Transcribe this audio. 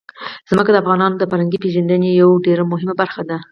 ځمکه د افغانانو د فرهنګي پیژندنې یوه ډېره مهمه برخه ده.